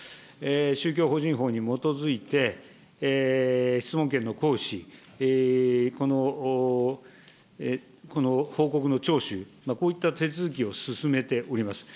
宗教法人法に基づいて、質問権の行使、この報告の徴収、こういった手続きを進めております。